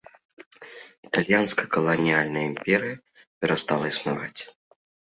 Італьянская каланіяльная імперыя перастала існаваць.